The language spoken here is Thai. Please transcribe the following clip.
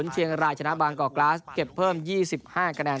เชียงรายชนะบางกอกกราสเก็บเพิ่ม๒๕คะแนน